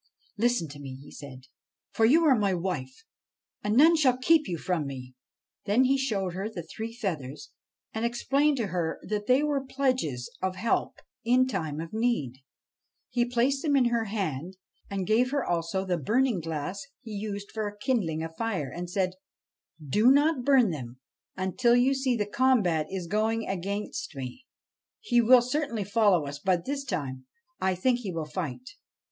' Listen to me,' he said ;' for you are my wife, and none shall keep you from me.' Then he showed her the three feathers, and explained to her that they were pledges of help in time of need. He placed them in her hand, and gave her also the burning glass he used for kindling a fire, and said :' Do not burn them until you see the o 113 BASHTCHELIK combat is going against me. He will certainly follow us, but, this time, I think he will fight.'